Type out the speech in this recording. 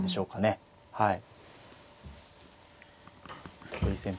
はい。